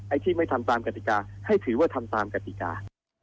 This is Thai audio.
ที่ไม่ทำตามกติกาให้ถือว่าทำตามกติกา